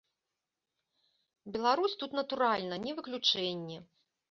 Беларусь тут, натуральна, не выключэнне.